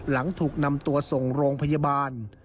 หลังถูกนำตัวส่งโรงพยาบาล